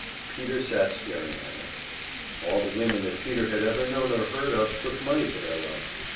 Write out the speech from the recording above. Peter sat staring at him. All the women that Peter had ever known or heard of took money for their love.